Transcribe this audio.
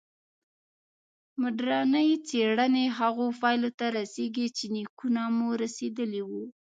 مډرني څېړنې هغو پایلو ته رسېږي چې نیکونه مو رسېدلي وو.